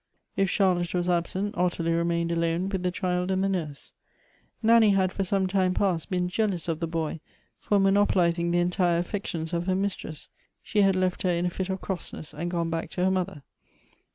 If Charlotte was absent, Ottilie remained alone with the child and the nurse. Nanny had for some time past been jealous of the boy for monopolizing the entire affections of her mistress ; she had left her in a fit of crossness, and gone back to her mother.